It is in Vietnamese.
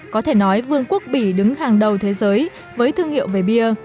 có thể nói vương quốc bỉ đứng hàng đầu thế giới với thương hiệu về bia